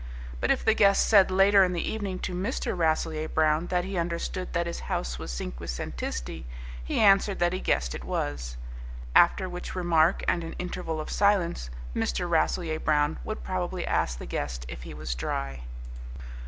But if the guest said later in the evening to Mr. Rasselyer Brown that he understood that his house was cinquecentisti, he answered that he guessed it was. After which remark and an interval of silence, Mr. Rasselyer Brown would probably ask the guest if he was dry.